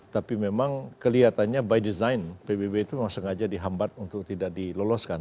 tapi memang kelihatannya by design pbb itu memang sengaja dihambat untuk tidak diloloskan